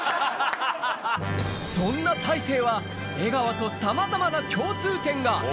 そんな大勢は、江川とさまざまな共通点が。